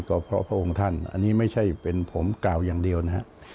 ก็เพราะพระองค์ท่านอันนี้ไม่ใช่เป็นผมกล่าวอย่างเดียวนะครับ